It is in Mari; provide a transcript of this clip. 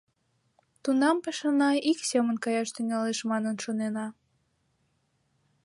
Тунам пашана ик семын каяш тӱҥалеш манын шонена.